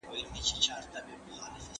پر سياسي چارو بېلابېل لاملونه اغېز شیندي.